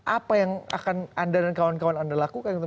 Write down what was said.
apa yang akan anda dan kawan kawan anda lakukan